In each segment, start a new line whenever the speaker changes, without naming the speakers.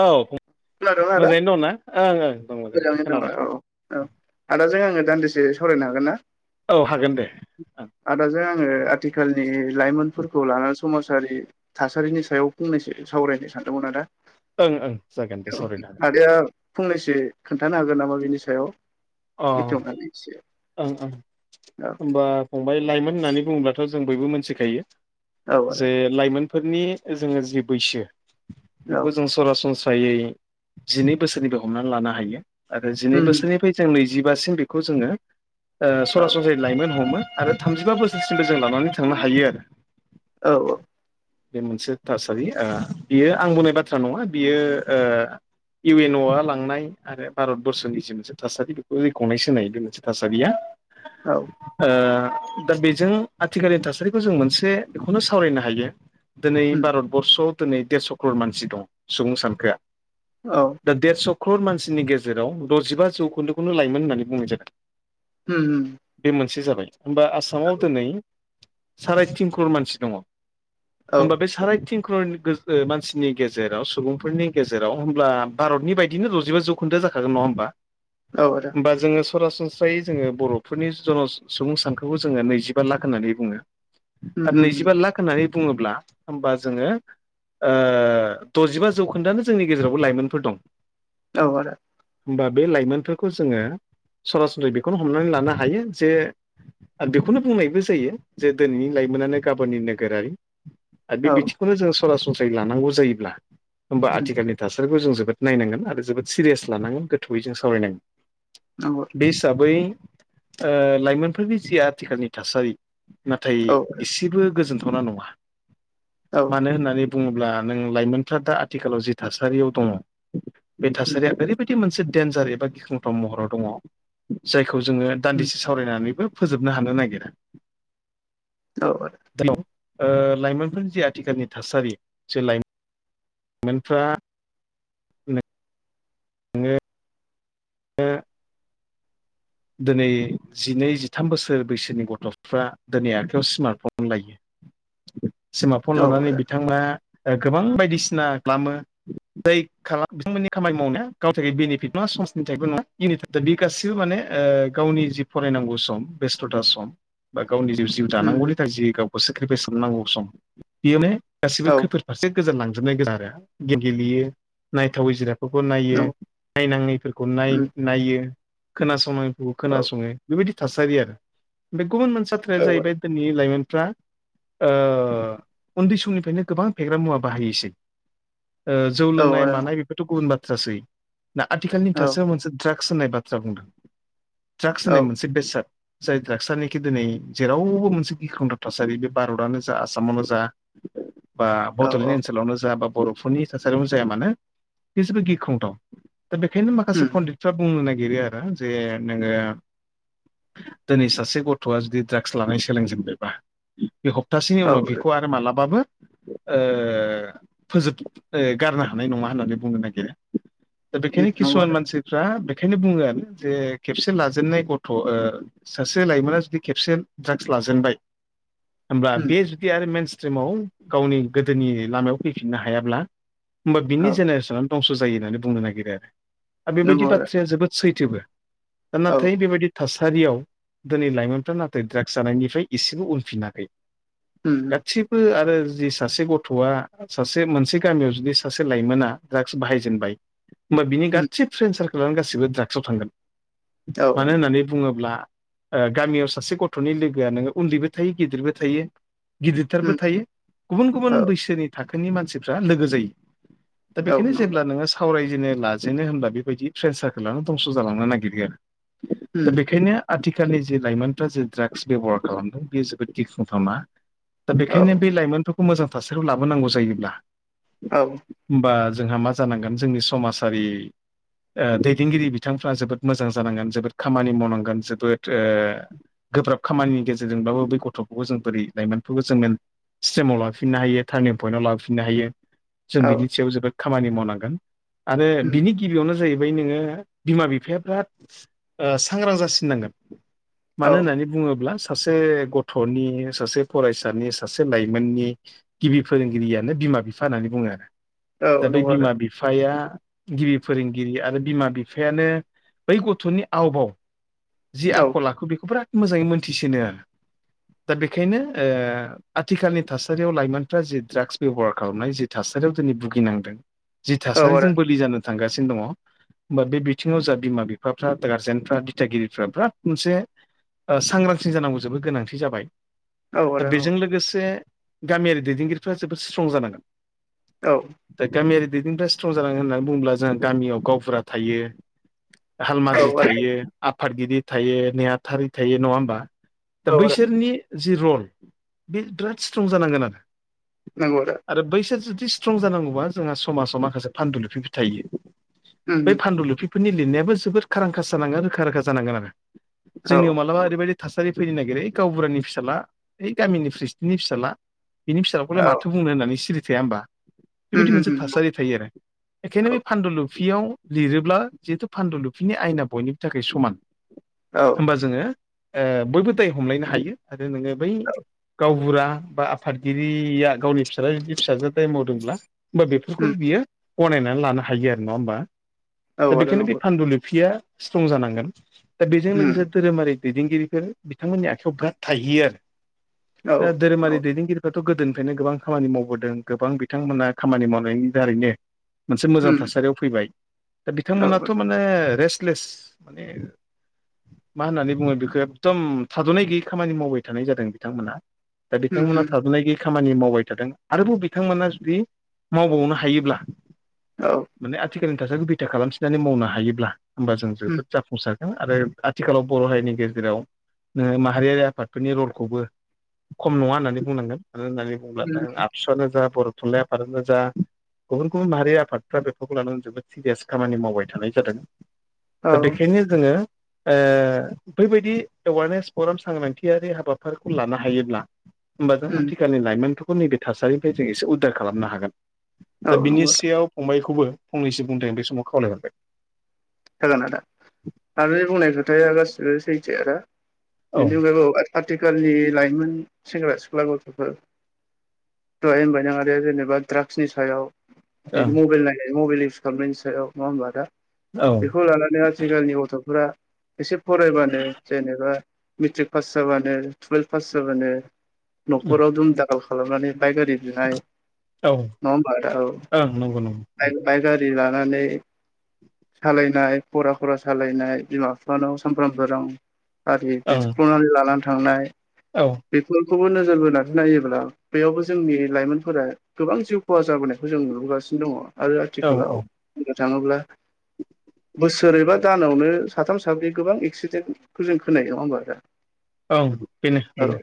औ
खोनादों आदा
मोजाङैनो दं ना? ओं ओं दङ दे
मोजाङै दङ औ
खोनादों।
औ आदाजों आङो दान्दिसे सावरायनो हागोन ना?
औ हागोन दे। ओं
आदाजों आङो आथिखालनि लाइमोनफोरखौ लाना समाजारि थासारिनि सायाव फंनैसो सावरायनो सानदोंमोन आदा।
ओं ओं जागोन
औ
दे सावरायनो हागोन।
[unintelligible] फंनैसो खोन्थानो हागोन नामा बिनि सायाव?
अ
बेखेवनानै एसे
ओं ओं
औ
होनबा फंबाय लाइमोन होननानै बुङोब्लाथ' जों बयबो मोनथिखायो
औ आदा
जे लाइमोनफोरनि जोङो जि बैसो
औ
बेखौ जों सरासनस्रायै जिनै बोसोरनिफाय हमनानै लानो हायो आरो जिनै
उम
बोसोरनिफाय जों नैजिबासिम बेखौ जोङो ओ
औ
सरासनसै लाइमोन हमो आरो थामजिबा बोसोरसिमबो जों लानानै थांनो हायो आरो।
औ औ।
बे मोनसे थासारि ओ बियो आं बुंनाय बाथ्रा नङा बियो ओ इउ एन अ आ लांनाय आरो भारतबर्स'नि सि मोनसे थासारि बेखौ रेखंनायसो होननाय बे मोनसे थासारिया।
औ।
दा बेजों आथिखालनि थासारिखौ जों मोनसे बेखौनो सावरायनो हायो दिनै
उम
भारतबर्स'आव दिनै देरस' ख्रर मानसि दं सुबुं सानखोआ।
औ।
दा देरस' क्रर मानसिनि गेजेराव द'जिबा जौखोन्दो खोन्दो लाइमोन होननानै बुंनाय जादों।
उम उम।
बे मोनसे जाबाय होमबा आसामाव दिनै साराय तिन ख'रल मानसि दङ।
औ
होमबा बे साराय तिन ख'नि मानसिनि गेजेराव सुबुंफोरनि गेजेराव होमब्ला भारतनि बायदिनो द'जिबा जौखोन्दोया जाखागोन नङा होमबा।
औ आद
बा जोङो सरासनस्रायै जोङो बर'फोरनि जन' सुबुं सानखोखौ जोङो नैजिबा लाख होननानै बुङो।
[inaudible]
आरो
उम
नैजिबा लाख होननानै बुङोब्ला होमबा जोङो ओ द'जिबा जौखोन्दआानो जोंनि गेजेरावबो लाइमोनफोर दं।
औ आदा।
होमबा बे लाइमोनफोरखौ जोङो सरासन्रै बेखौनो हमनानै लानो हायो जे आं बेखौनो बुंनायबो जायो जे दिनैनि लाइमोनानो गाबोननि नोगोरारि। आरो बे
औ
बिथिंखौनो जों सरासनस्रायै लानांगौ जायोब्ला होनबा
उम
आथिखालनि थासारिखौ जों जोबोद नायनांगोन आरो जोबोद सिरियास लानांगोन गोथौयै जों सावरायनांगोन।
नंगौ।
बे हिसाबै ओ लाइमोनफोरनि जि आथिखालनि थासारि। नाथाय
औ
एसेबो गोजोनथावना नङा।
आदा औ
मानो होननानै बुङोब्ला नों लाइमोनफ्रा दा आथिखालाव जि थासारियाव दङ बे
उम
थासारिया ओरैबायदि मोनसे डेन्जार एबा गिथावथाव महराव दङ जायखौ जोङो
उम
दान्दिसे सावरायनानैबो फोजोबनो हानो नागिरा।
औ आदा।
ओ लाइमोनफोरनि जे आथिखालनि थासारि जे लाइमोन मोनफ्रा नोङो दा दिनै जिनै जिथाम बोसोर बैसोनि गथ'फ्रा दिनै आखायाव स्मार्ट फन लायो।
[inaudible]
सिमार्टफन
औ
लानानै
आदा
बिथाङा ओ गोबां बायदिसिना खालामो जाय खालाम बिथांमोननि खामानि
उम
मावनाया गावनि थाखाय बेनिफिट नङा समाजनि थाखायबो नङा इउननि थाखाय बि गासिबो माने ओ गावनि जि फरायनांगौ सम बेस्थ'था सम बा गावनि जि जिउ
उम
दानांगौनि थाखाय जि गाव सेक्रिफाइस खालामनांगौ सम बेयोनो गासिबो
औ
खैफोद फारसे गोजानलांजोबनाय [unintelligible] गोनां आरो गेलेयो नायथावै जिरा खौबो नायो नायनाङैफोरखौ नाय-नायो खोनासंनाङै उम खोनासङो बेबायदि थासारि आरो बे गुबुन मोनसे बाथ्राया जाहैबाय दिनैनि लाइमोनफ्रा ओ उन्दै समनिफ्रायनो गोबां फेग्रा मुवा बाहायोसै। ओ जौ लोंनाय मानाय बेफोरथ' गुबुन बाथ्रासै दा आथिखालनि थासोआव मोनसे ड्राक्स होननाय बाथ्रा बुंदों ड्राक्स होननाय मोनसे बेसाद जाय द्रागसानाखि दिनै जेरावबो मोनसे गिख्रंथाव थासारि बे भारतआनो जा आसामानो जा
[inaudible]
बा बड'लेण्ड ओनसोलावनो जा बा बर'फोरनि थासारियावनो जाया मानो बेसेबो गिख्रंथाव दा बेखायनो माखासे पन्डितफ्रा बुंनो नागिरो आरो जे नोङो दिनै सासे गथ'आ जुदि ड्राग्स लानाय सोलोंजेनबायबा बे हप्तासेनि उनाव बेखौ आरो मालाबाबो ओ फोजोब ओ गारनो हानाय नङा होननानै बुंनो नागिरो। दा बेखायनो किसुमान मानसिफ्रा बेखायनो बुङो आरो जे खेबसे लाजेननाय गथ' ओ सासे लाइमोना जुदि खेबसे ड्राग्स लाजेनबाय होमब्ला बे जुदि आरो मेन स्ट्रिमाव गावनि गोदोनि लामायाव फैफिननो हायाब्ला होमबा बिनि जेनेरेसनानो दंस' जायो होननानै बुंनो नागिरो आरो। आरो बेबायदि बाथ्राया जोबोद सैथोबो। दा नाथाय बेबायदि थासारियाव दिनै लाइमोनफ्रा नाथाय ड्राग्स जानायनिफ्राय एसेबो उनफिनाखै। गासिबो आरो जि सासे गथ'आ सासे मोनसे गामियाव जुदि सासे लाइमोना ड्राग्स बाहायजेनबाय होमबा बिनि गासै फ्रेन्ड सारखोलानो गासिबो ड्राग्सआव थांगोन मानो होननानै बुङोब्ला ओ गामियाव सासे गथ'नि लोगोआ नोङो उन्दैबो थायो गिदिरबो थायो। गिदिरथारबो थायो गुबुन गुबुन बैसोनि थाखोनि मानसिफ्रा लोगो जायो। दा बेखायनो जेब्ला नोंङो सावरायजेनो लाजेनो होनब्ला बेबायदि ट्रेन्स सारखोलानो दंस' जालांनो नागिरो आरो। दा बेखायनो आथिखालनि जे लाइमोनफ्रा जे ड्रागस बेब'हार खालामदों बेयो जोबोद गिख्रंथावना। दा बेखायनो बे लाइमोनफोरखौ मोजां थासारियाव लाबोनांगौ जायोब्ला
औ।
होमबा जोंहा मा जानांगोन जोंनि समाजारि ओ दैदेनगिरि बिथांफ्रा जोबोद मोजां जानांगोन जोबोद खामानि मावनांगोन जोबोद ओ गोब्राब खामानिनि गेजेरजोंब्लाबो बै गथ'फोरखौबो जों बोरै लाइमोनफोरखौ जों स्ट्रिमाव लाफिननो हायो टार्निं पइन्टआव लाफिननो हायो। जों बिनि सायाव जोबोद खामानि मावनांगोन आरो बिनि गिबियावनो जाहैबाय नोंङो बिमा बिफाया बिराद ओ सांग्रां जासिननांगोन मानो होननानै बुङोब्ला सासे गथ'नि सासे फरायसानि सासे लाइमोननि गिबि फोरोंगिरियानो बिमा बिफा होननानै बुङो आरो। दा बे बिमा बिफाया गिबि फोरोंगिरि आरो बिमा बिफ फायानो बै गथ'नि आवबाव जि आखल आखु बेखौ बिराद मोजाङै मोनथिसिनो आरो दा बेखायनो ओ आथिखालनि थासारियाव लाइमोनफ्रा जि ड्राग्स बेब'हार खालामनाय जि थासारियाव दिनै बुगिनांदों जि थासारिजों बोलि जानो थांगासिनो दङ। होमबा बे बिथिंङाव जा बिमा बिफाफ्रा गारजेनफ्रा दिथागिरिफ्रा बिराद मोनसे ओ सांग्रांथि जानांगौ जोबोद गोनांथि जाबाय। दा बेजों लोगोसे गामियारि दैदेनगिरिफ्रा जोबोद स्ट्रं जानांगोन।
औ।
दा गामियारि दैदेनफ्रा स्ट्रं जानांगोन होननानै बुङोब्ला जोंहा गामियाव गावबुरा थायो। हालमाजि थायो आफादगिरि थायो नेहाथारि थायो नङा होमबा? दा बैसोरनि जि रल बे बिराद स्ट्रं जानांगोन आरो।
नंगौ आदा।
आरो बैसोर जुदि स्ट्रं जानांगौबा जोंहा समाजाव माखासे फानदुुलिफिबो थायो। बै फान्दुलुफिफोरनि लिरनायाबो जोबोद खारांखास जानांगोन रोखा रोखा जानांगोन आरो। जोंनियाव मालाबा ओरैबायदि थासारि फैनो नागिरो ओइ गावबुरानि फिसाला ओइ गामिनि फ्रिसिदेन्टनि फिसाला बिनि फिसाखौलाय माथो बुंनो होननानै सिरि थाया होमबा बेबायदि मोनसे थासारि थायो आरो। बेखायनो बे फान्दुलुफियाव लिरोब्ला जिहेतु फान्दुलुफिनि आयेना बयनिबो थाखाय समान। होमबा जोंङो ओ बयबो दाय हमलायनो हायो आरो नोंङो बै गाव गुरा बा आफादगिरिया गावनि फिसाज्लाया जुदि फिसाजो दाय मावदोंब्ला होमबा बेफोरखौ बियो गनायनानै लानो हायो आरो नङा होमबा? दा बेखायनो बे फान्दुलुफिया स्ट्रं जानांगोन दा बेजों लोगोसे धोरोमारि दैदेनगिरिफोर बिथांमोननि आखायाव बिराद थाहैयो आरो दा धोरोमारि दैदेनगिरि बेथ' गोदोनिफ्रायनो गोबां खामानि मावबोदों गोबां बिथांमोना खामानि मावनायनि दारैनो मोनसे मोजां थासारियाव फैबाय। दा बिथांमोनाथ' माने रेस्तलेस माने मा होननानै बुङो बेखौ एखदम थाद'नाय गैयै खामानि मावबाय थानाय जादों बिथांमोना। दा बिथांमोनहा थाबोनाय गि खामानि मावबाय थादों आरोबाव बिथांमोना जुदि मावबावनो हायोब्ला
औ
माने आथिखालनि थासारिखौ बिथा खालामफिननानै मावनो हायोब्ला होमबा जों जोबोद जाफुंसार आरो आथिखालाव बर' हारिनि गेजेराव नोङो माहारियारि आफादफोरनि रलखौबो खम नङा होननानै बुंनांगोन मानो होननानै बुंङोब्ला आबसुवानो जा बर' थुनलाइ आफादानो जा गुबुन गुबुन माहारि आफादफ्रा बेफोरखौ लानानै जोबोद सिरियास खामानि मावबाय थानाय जादों
औ
दा बेखायनो जोङो ओ बैबायदि एवारनेस प्रग्राम सांग्रांथियारि हाबाफारिखौ लानो हायोब्ला होमबा जों
उम
आथिखालनि लाइमोनफोरखौ नैबे थासारिनिफ्राय जों एसे उदार खालामनो हागोन
औ
दा बिनि
नंगौ
सायाव फंबायखौबो फंनैसो बुंनो थाखाय बे माव खावलाय हरबाय।
जागोन आदा आदाया बुंनाय खोथाया गासिबो सैथो आदा
औ
बिनि अनगायैबो आथिखालनि लाइमोन सेंग्रा सिख्ला गथ'फोर दहाय होनबायना आदाया जेनबा द्राग्सनि सायाव बिनो मबाइल नायनानै मबाइल इउस खालामनायनि सायाव नङा होमबा आदा?
ओं
बेखौ लानानै आथिखालनि गथ'फोरा एसे फरायबानो जेनेबा मिट्रिक पास जाबानो टुवेल्भ पास जाबानो न'खराव जुम दाखाल खालामनानै बाइक आरि [unintelligible] नङा
औ
होमबा आदा
ओं नंगौ नंगौ
औ बाइ गारि लानानै सालायनाय खरा खरा सालायनाय बिमा फिफानाव सानफ्रामबो रां गारि
ओं
बिख्ल'नानै लानानै थांनाय
औ।
बेफोरखौबो नोजोर बोनानै नायोब्ला बेयावबो जोंनि लाइमोनफोरा गोबां जिउ खहा जाबोनायखौ जों नुबोगासिनो दङ आरो
औ
आथिखालाव
औ
बुंनो थाङोब्ला बोसोरैबा दानावनो साथाम साब्रै गोबां एक्सिडेन्टखौ जों खोनायो नङा होनोमबा नोंथां?
ओं बेनो
औ
बेनो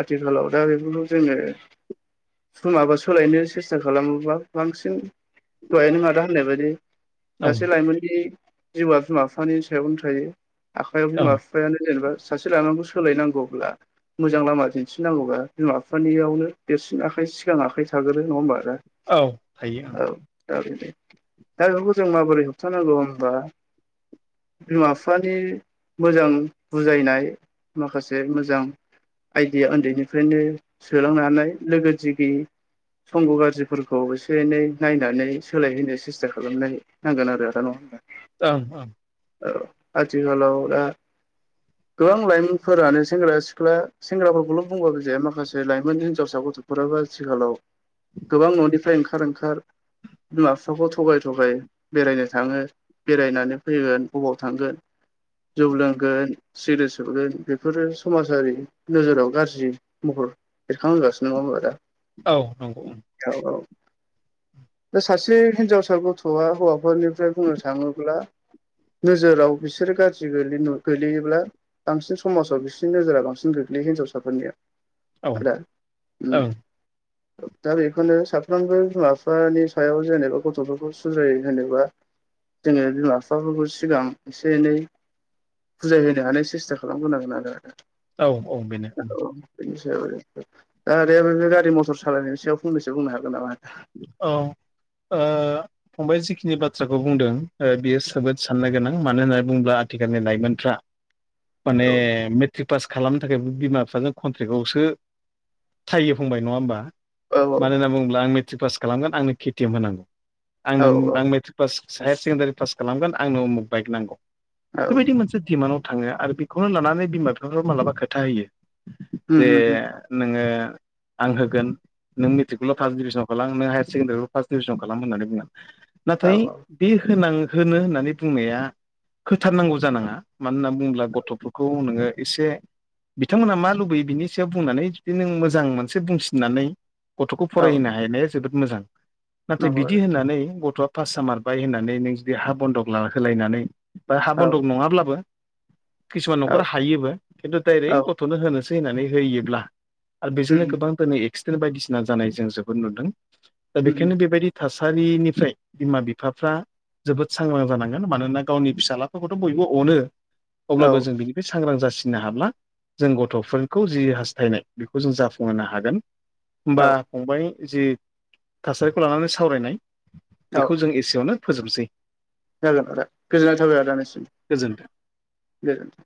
आथिखालाव दा बेफोरखौ जोङो समाबो सोलायनो सेस्था खालामोबा बांसिन दहाय नों आदा होननाय बायदि
ओं
सासे लाइमोननि जिउआ बिमा बिफानि सायावनो थायो आखयाव
ओं
बिमा बिफायानो जेनेबा सासे लानांगौ सोलायनांगौब्ला मोजां लामा दिन्थिनांगौबा बिमा बिफानियावनो देरसिन आखाइ सिगां आखाइ थाग्रो नङा होमबा?
औ थायो
औ दा बिदि दा बेफोर जों माबोरै होबथानांगौ होनबा बिमा बिफानि मोजां बुजायनाय माखासे मोजां आयदिया उन्दैनिफ्रायनो सोलांनानै लोगो दिगि संग' गाज्रिफोरखौ एसे एनै नायनानै सोलायहोनो सेस्था खालामनाय नांगोन आरो [unintelligible]
ओं ओं
औ आथिखालावाव दा गोबां लाइमोनफोरानो सेंग्रा सिख्ला सेंग्राफोरखौल' बुंबाबो जाया माखासे लाइमोन हिनजावसा गथ' फाबो आथिखालाव गोबां न'निफ्राय ओंखार ओंखार बिमा बिफाखौ थगाय थगाय बेरायनो थाङो बेरायनानै फैगोन बबाव थांगोन जौ लोंगोन सिग्रेत सोबगोन बेफोरो समाजारि नोजोराव गाज्रि महर बेरखांहोगासिनो नङा होमबा आदा?
औ नंगौ।
औ औ दा सासे हिनजावसा गथ'आ हौवाफोरनिफ्राय बुंनो थांङोब्ला नोजोराव बिसोरो गाज्रि गोलैनो गोलैयोब्ला बांसिन समाजाव बिसिरनि नोजोरा बांसिन गोग्लैयो हिनजावसाफोरनिया
औ
[unintelligible] उम
ओं
दा बेखौनो साफ्रोमबो बिमा बिफानि सायाव जेनेबा गथ'फोरखौ सुजायो होनोबा जोङो बिमा बिफाफोरखौ सिगां एसे एनै [unintelligible] होनो हानाय सेस्था खालामग्रोनांगोन
औ औ बेनो
आरो औ बेनि सायावनो दा आदायाबो बे गारि मथर सालायनायनि सायाव फंनैसो बुंनो हागोन नामा
औ ओ फंबाय जिखिनि बाथ्राखौ बुंदों ओ बियो जोबोद साननो गोनां मानो होननानै बुङोब्ला आथिखालनि लाइमोनफ्रा
[inaudible]
माने
औ
मि ट्रि पास खालामनो थाखायबो बिमा बिफाजों कन्ट्रेक्टआवसो थायो फंबाय नङा होमबा
औ
मानो होनना बुङोब्ला आं मेट्रिक पास खालामगोन आंनो केटिएम होनांगौ
औ
आंनो
औ
आं matric pass higher secondary pass खालामगोन आंनो उमुक बाइक नांगौ
औ
बेबायदि मोनसे दिमान्डआव थाङो आरो बे खौनो लानानै बिमा बिफाफोरा मालाबा खोथा होयो
उम
जे
उम उम
नोङो आं होगोन नों मेट्रिकखौल' फार्स्ट डिभिसनाव [unintelligible] नों हायार सेकेनदारि फार्स्ट डिभिजन खालाम होननानै बुङो
औ
नाथाय
औ
बे होनां होनो होननानै बुंनाया होथारनांगौ जानाङा मानो होनना बुङोब्ला गथ'फोरखौ नोङो एसे बिथांमोनहा मा लुबैयो बिनि सायाव बुंनानै जुदि नों मोजां मोनसे बुंसिननानै गथ'खौ
औ
फरायहोनो हानाया जोबोद मोजां नाथाय
नंगौ
बिदि
आदा
होननानै गथ'आ पास जामारबाय होननानै नों जुदि हा बन्दक लाहोलायनानै बा हा
औ
बन्दक नङाब्लाबो किसुमान
औ
नखरा हायोबो खिन्थु दाइरेक
औ
ग' क्ट'नो होनोसै होननानै होयोब्ला आरो
उम
बेजोंनो गोबां दिनै एक्सिडेन्ट बायदिसिना जानाय जों जोब नुदों दा
उम
बेखायनो
उम
बेबायदि थासारिनिफ्राय बिमा बिफाफ्रा जोबोद सांग्रां जानांगोन मानोना गावनि फिसाज्लाफोरखौथ' बयबो अनो
औ
अब्लाबो जों बिनि बे सांग्रां जासिनो हाब्ला जों गथ'फोरखौ जि हास्थायनाय बेखौ जों जाफुंहोनो हागोन होमबा
औ
फंबाइ जि थासारिखौ लानानै सावरायनाय
औ
बेखौ जों एसेयावनो फोजोबसै
जागोन आदा गोजोननाय थाबाय आदा नैसिम
गोजोन्थों
गोजोन